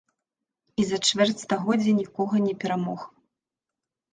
І за чвэрць стагоддзя нікога не перамог.